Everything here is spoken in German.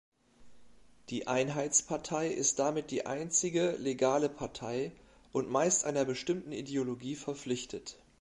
Die Einheitspartei ist damit die einzige legale Partei und meist einer bestimmten Ideologie verpflichtet.